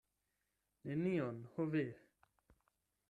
Nenion, ho ve!